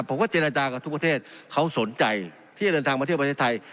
ผมก็เจรจากับทุกประเทศเขาสนใจที่จะเดินทางมาเที่ยวประเทศไทย